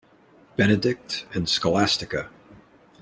Benedict and Scholastica.